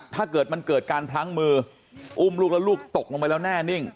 ถ้าเกิดมันเกิดการพลั้งมืออุ้มลูกแล้วลูกตกลงไปแล้วแน่นิ่ง